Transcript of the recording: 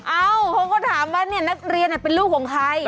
อ้าวเขาก้อถามว่าเนี่ยนักเรียนเป็นลูกของใคร